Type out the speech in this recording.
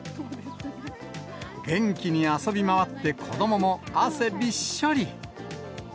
元気に遊び回って、子どもも汗びっしょり。